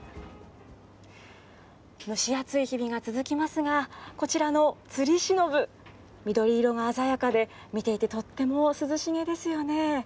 蒸し暑い日々が続きますが、こちらのつりしのぶ、緑色が鮮やかで、見ていてとっても涼しげですよね。